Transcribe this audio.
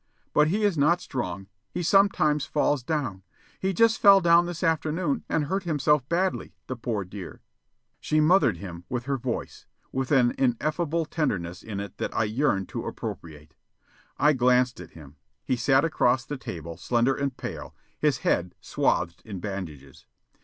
"But he is not strong. He sometimes falls down. He just fell down this afternoon and hurt himself badly, the poor dear." She mothered him with her voice, with an ineffable tenderness in it that I yearned to appropriate. I glanced at him. He sat across the table, slender and pale, his head swathed in bandages.